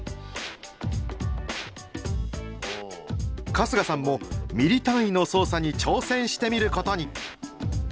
春日さんもミリ単位の操作に挑戦してみることに！